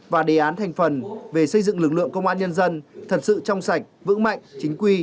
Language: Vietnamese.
và đề án thành phần về xây dựng lực lượng công an nhân dân thật sự trong sạch vững mạnh chính quy